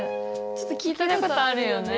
ちょっと聞いたことあるよね。